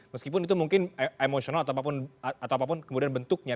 meskipun itu mungkin emosional atau apapun kemudian bentuknya